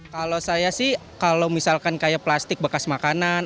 kalau saya sih kalau misalkan kayak plastik bekas makanan